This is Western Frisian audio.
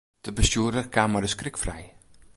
De bestjoerder kaam mei de skrik frij.